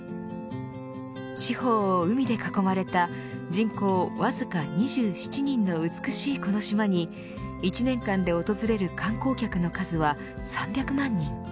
四方を海で囲まれた人口わずか２７人の美しいこの島に１年間で訪れる観光客の数は３００万人。